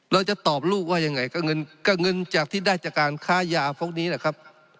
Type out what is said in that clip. เราจะตอบลูกว่ายังไงก็เงินก็เงินจากที่ได้จากการค้ายาพวกนี้แหละครับ